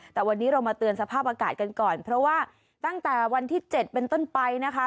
แต่วันนี้เรามาเตือนสภาพอากาศกันก่อนเพราะว่าตั้งแต่วันที่๗เป็นต้นไปนะคะ